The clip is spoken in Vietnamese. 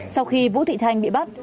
sau khi vũ thị thanh bị bắt